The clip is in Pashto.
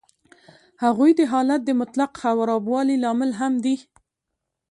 هغوی د حالت د مطلق خرابوالي لامل هم دي